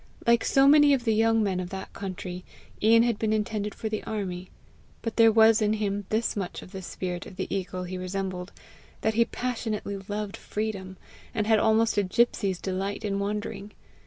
Like so many of the young men of that country, Ian had been intended for the army; but there was in him this much of the spirit of the eagle he resembled, that he passionately loved freedom, and had almost a gypsy's delight in wandering.